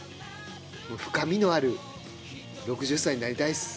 深みのある６０歳になりたいです。